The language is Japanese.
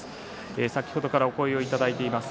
先ほどからお声をいただいています。